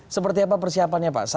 seperti apa persiapannya pak